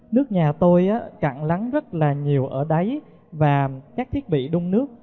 nước nhà tôi cặn lắng rất là nhiều ở đáy và các thiết bị đung nước